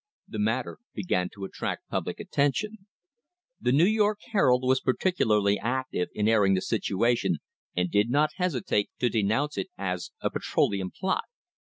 The matter began to attract public attention. The New York Herald was particularly active in airing the situation and did not hesitate to denounce it as a "Petroleum Plot."